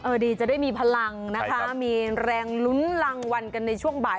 ดีจะได้มีพลังนะคะมีแรงลุ้นรางวัลกันในช่วงบ่าย